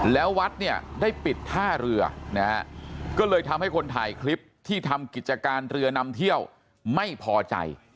แล้ววัดเนี่ยได้ปิดท่าเรือนะฮะก็เลยทำให้คนถ่ายคลิปที่ทำกิจการเรือนำเที่ยวไม่พอใจ